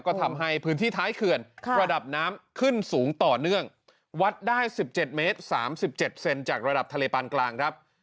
ก็ทำให้พื้นที่ท้ายเขื่อนระดับน้ำขึ้นสูงต่อเนื่องวัดได้๑๗เมตร๓๗เซนจากระดับทะเลปานกลางครับ